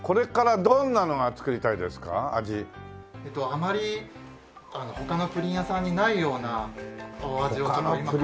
あまり他のプリン屋さんにないようなお味をちょっと今考えて。